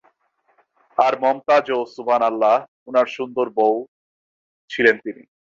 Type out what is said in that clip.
আর মমতাজ ও, শুভহানাল্লাহ, উনার সুন্দর বৌউ ছিলেন তিনি।